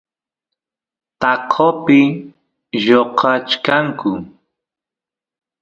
taqopi lloqachkanku